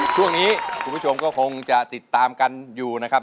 ช่วงนี้คุณผู้ชมก็คงจะติดตามกันอยู่นะครับ